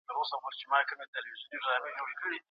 دوی شریک دي د مستیو